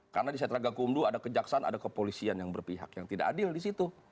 karena di setraga kumdu ada kejaksaan ada kepolisian yang berpihak yang tidak adil di situ